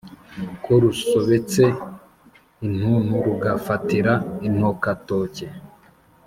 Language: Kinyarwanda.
Ko rusobetse intuntu rugafatira intokatoke,